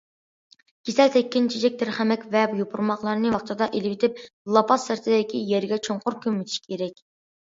كېسەل تەگكەن چېچەك، تەرخەمەك ۋە يوپۇرماقلارنى ۋاقتىدا ئېلىۋېتىپ، لاپاس سىرتىدىكى يەرگە چوڭقۇر كۆمۈۋېتىش كېرەك.